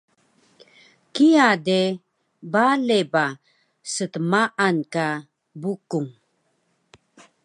Kiya de bale ba stmaan ka Bukung